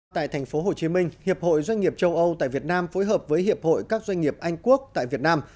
tại thành phố hồ chí minh hiệp hội doanh nghiệp châu âu tại việt nam phối hợp với hiệp hội các doanh nghiệp anh quốc tại việt nam